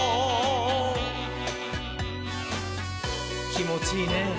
きもちいいねぇ。